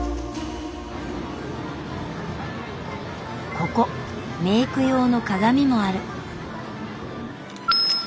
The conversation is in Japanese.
ここメイク用の鏡もある。